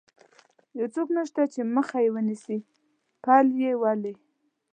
یو څوک نشته چې مخه یې ونیسي، پل یې ولې.